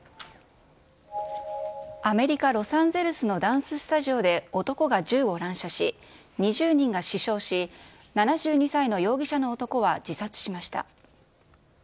アメリカ・ロサンゼルスのダンススタジオで男が銃を乱射し、２０人が死傷し、７２歳の容疑者の男は自殺しました。